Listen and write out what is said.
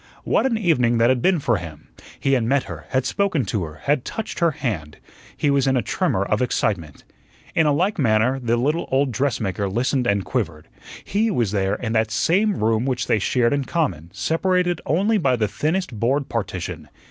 What an evening that had been for him! He had met her, had spoken to her, had touched her hand; he was in a tremor of excitement. In a like manner the little old dressmaker listened and quivered. HE was there in that same room which they shared in common, separated only by the thinnest board partition.